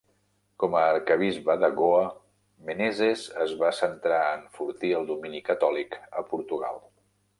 Com a arquebisbe de Goa, Menezes es va centrar a enfortir el domini catòlic a Portugal.